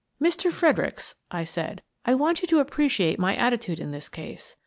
" Mr. Fredericks," I said, " I want you to appre ciate my attitude in this case.